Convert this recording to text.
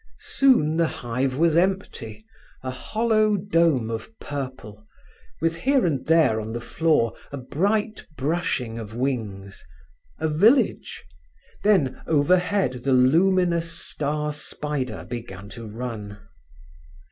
Soon the hive was empty, a hollow dome of purple, with here and there on the floor a bright brushing of wings—a village; then, overhead, the luminous star spider began to run.